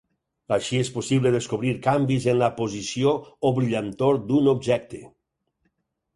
Així és possible descobrir canvis en la posició o brillantor d'un objecte.